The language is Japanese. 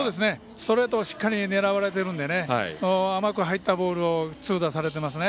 ストレートをしっかり狙われているので甘く入ったボールを痛打されていますね。